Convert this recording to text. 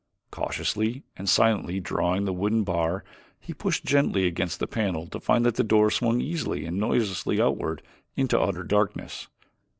Cautiously and silently drawing the wooden bar he pushed gently against the panel to find that the door swung easily and noiselessly outward into utter darkness.